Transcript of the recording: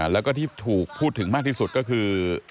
แล้วก็ที่ถูกพูดถึงมากที่สุดก็คือ